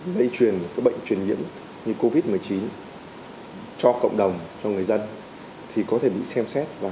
lây truyền các bệnh truyền nhiễm như covid một mươi chín cho cộng đồng cho người dân thì có thể bị xem xét và